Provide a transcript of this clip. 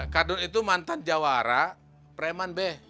kardun itu mantan jawara preman be